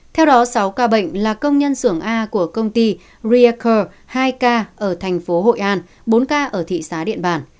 theo đó sáu ca bệnh là công nhân xưởng a của công ty reacer hai ca ở thành phố hội an bốn ca ở thị xã điện bản